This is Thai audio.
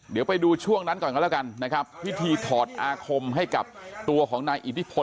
เดี๋ยวไปดูช่วงนั้นก่อนกันแล้วกันนะครับพิธีถอดอาคมให้กับตัวของนายอิทธิพล